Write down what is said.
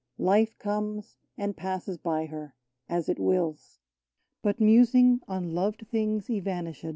Life comes, and passes by her, as it wills ; But musing on loved things evanish^.